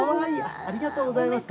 ありがとうございます。